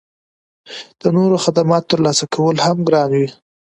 د نورو خدماتو ترلاسه کول هم ګران وي